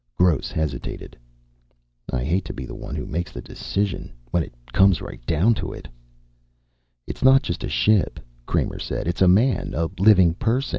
Gross hesitated. "I hate to be the one who makes the decision. When it comes right down to it " "It's not just a ship," Kramer said. "It's a man, a living person.